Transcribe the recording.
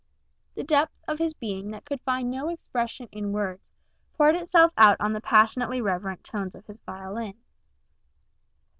The depth of his being that could find no expression in words, poured itself out in the passionately reverent tones of his violin.